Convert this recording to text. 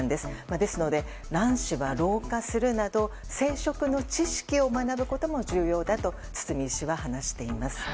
ですので、卵子は老化するなど生殖の知識を学ぶことも重要だと堤医師は話しています。